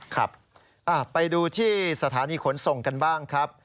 ครับไปดูที่สถานีขนส่งกันบ้างครับ